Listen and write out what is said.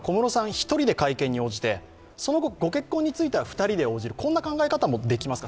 一人で会見に応じてその後、ご結婚については２人で応じるそんな考え方もできますか？